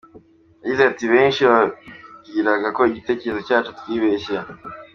Yagize ati “Benshi bibwiraga ko igitekerezo cyacu twibeshye.